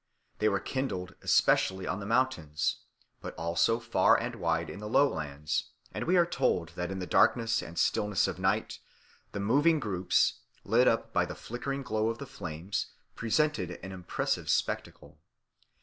They were kindled especially on the mountains, but also far and wide in the lowlands, and we are told that in the darkness and stillness of night the moving groups, lit up by the flickering glow of the flames, presented an impressive spectacle.